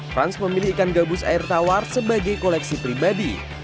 frans memilih ikan gabus air tawar sebagai koleksi pribadi